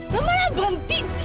lu malah berhenti